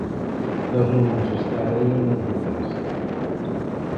Nós non imos estar aí en ningún caso.